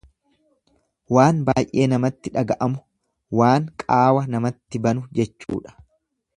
Waan baay'ee namatti dhaga'amu, waan qaawa namatti banu jechuudha.